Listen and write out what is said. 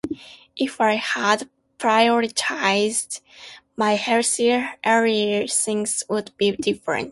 If I had prioritized my health earlier, things would be different.